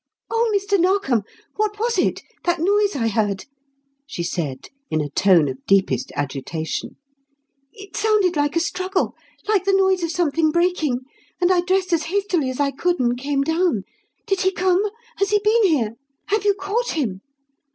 "Oh, Mr. Narkom, what was it that noise I heard?" she said in a tone of deepest agitation. "It sounded like a struggle like the noise of something breaking and I dressed as hastily as I could and came down. Did he come? Has he been here? Have you caught him?